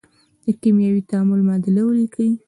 د کیمیاوي تعامل معادله ولیکئ.